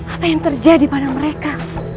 apa yang terjadi pada mereka